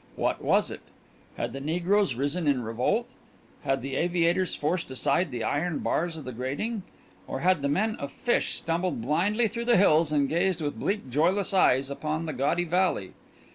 What was it? Had the negroes risen in revolt? Had the aviators forced aside the iron bars of the grating? Or had the men of Fish stumbled blindly through the hills and gazed with bleak, joyless eyes upon the gaudy valley?